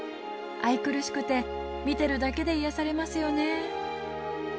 愛くるしくて見てるだけで癒やされますよね。